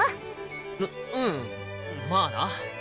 ううんまあな。